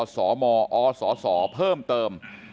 อ๋อสหมอ๋อสสเพิ่มเติม